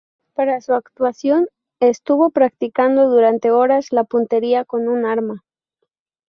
Para su actuación estuvo practicando durante horas la puntería con un arma.